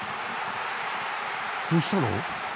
どうしたの？